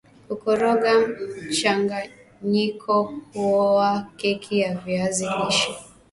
kukoroga mchanganyiko huowa keki ya viazi lishe